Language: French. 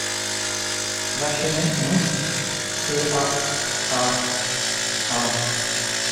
Vachonnet Non ! ses a … a … a …